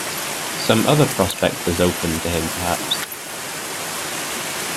Some other prospect has opened to him, perhaps?